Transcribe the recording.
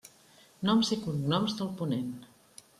Noms i cognoms del ponent.